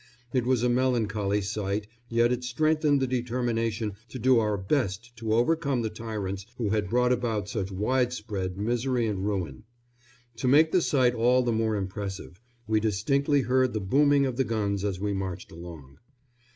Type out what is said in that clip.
It was a melancholy sight, yet it strengthened the determination to do our best to overcome the tyrants who had brought about such widespread misery and ruin. To make the sight all the more impressive, we distinctly heard the booming of the guns as we marched along.